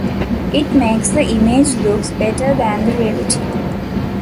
It makes the image looks better than the reality.